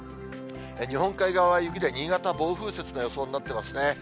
日本海側は雪で、新潟、暴風雪の予報になっていますね。